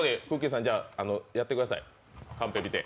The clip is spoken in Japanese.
さん、やってください、カンペ見て。